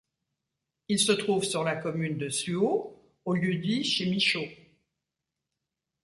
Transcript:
Il se trouvent sur la commune de Suaux, au lieu-dit chez Michaud.